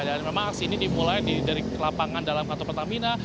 dan memang aksi ini dimulai dari lapangan dalam kantor pertamina